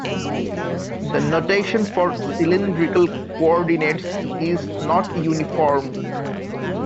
The notation for cylindrical coordinates is not uniform.